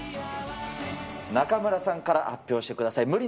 中村さんから発表してください。